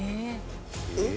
えっ？